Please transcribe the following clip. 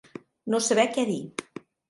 No saber què dir.